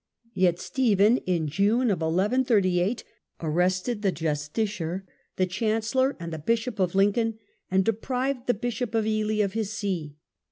Yet Stephen in June II 38 arrested the justiciar, the chancellor, and the Bishop of Lincoln, and deprived the Bishop of Ely of his see.